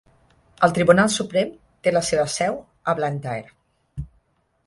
El Tribunal Suprem té la seva seu a Blantyre.